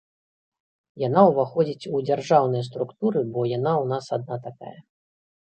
Яна ўваходзіць ў дзяржаўныя структуры, бо яна ў нас адна такая.